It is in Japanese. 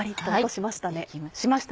しましたね。